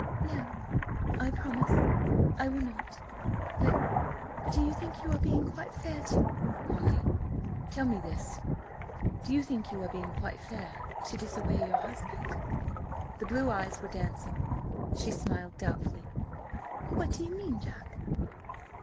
"No, I promise I will not. But–but do you think you are being quite fair to—" "Molly, tell me this: do you think you are being quite good to disobey your husband?" The blue eyes were dancing. She smiled doubtfully. "What do you mean, Jack?"